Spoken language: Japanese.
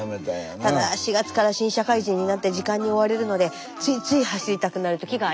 ただ４月から新社会人になって時間に追われるのでついつい走りたくなる時があります。